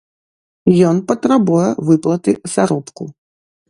Ён патрабуе выплаты заробку.